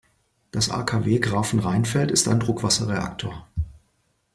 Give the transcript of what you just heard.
Das AKW Grafenrheinfeld ist ein Druckwasserreaktor.